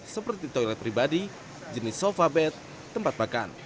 seperti toilet pribadi jenis sofa bed tempat makan